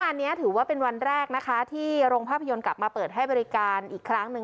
อันนี้ถือว่าเป็นวันแรกนะคะที่โรงภาพยนตร์กลับมาเปิดให้บริการอีกครั้งหนึ่ง